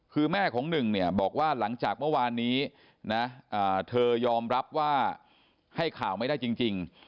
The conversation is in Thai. คือแม่ของหนึ่งเนี่ยบอกว่าหลังจากเมื่อวานนี้นะเธอยอมรับว่าให้ข่าวไม่ได้จริง